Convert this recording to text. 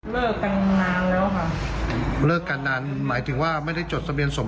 เลิกกันนานแล้วค่ะเลิกกันนานหมายถึงว่าไม่ได้จดทะเบียนสม